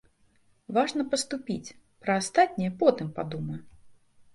Важна паступіць, пра астатняе потым падумаю.